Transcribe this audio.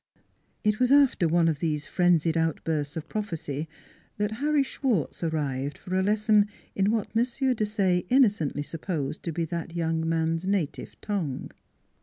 " It was after one of these frenzied outbursts of prophecy that Harry Schwartz arrived for a 1 90 NEIGHBORS lesson in what M. Desaye innocently supposed to be the young man's native tongue.